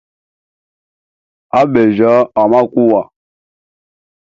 Abejya amakuwa.